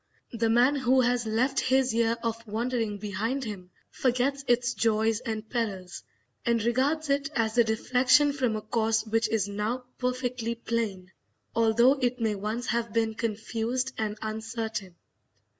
The man who has left his year of wandering behind him forgets its joys and perils, and regards it as a deflection from a course which is now perfectly plain, although it may once have been confused and uncertain.